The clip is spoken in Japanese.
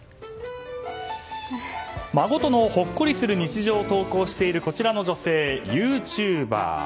孫とのほっこりする日常を投稿しているこちらの女性ユーチューバー。